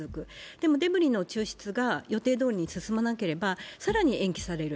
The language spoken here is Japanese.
でもデブリの抽出が予定どおりに進まなければ更に延期される。